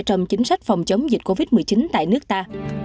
trong chính sách phòng chống dịch covid một mươi chín tại nước ta